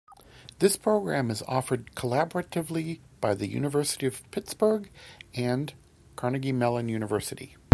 This program is offered collaboratively by the University of Pittsburgh and Carnegie Mellon University.